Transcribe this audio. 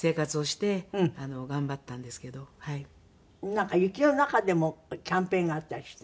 なんか雪の中でもキャンペーンがあったりした？